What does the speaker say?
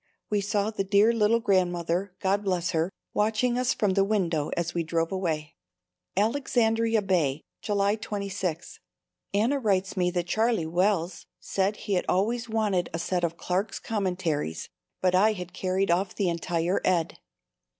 We saw the dear little Grandmother, God bless her, watching us from the window as we drove away. Alexandria Bay, July 26. Anna writes me that Charlie Wells said he had always wanted a set of Clark's Commentaries, but I had carried off the entire Ed.